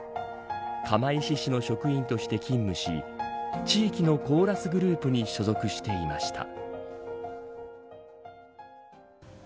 釜石市の職員として勤務し地域のコーラスグループに所属していました。